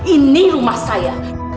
ini rumah saya